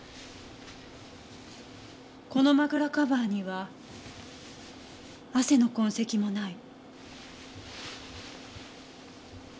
この枕カバーには汗の痕跡もない。